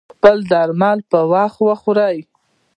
خپل درمل پر وخت وخوری